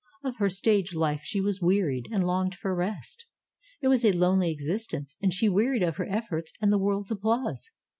Of her stage life she was wearied, and longed for rest. It was a lonely existence, and she wearied of her efforts and the world^s applause.